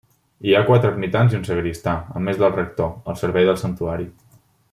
Hi ha quatre ermitans i un sagristà, a més del rector, al servei del santuari.